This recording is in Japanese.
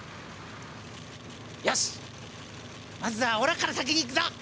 よしっまずはオラから先に行くぞ！